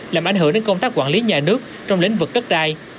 làm ảnh hưởng đến công tác quản lý nhà nước trong lĩnh vực đất đai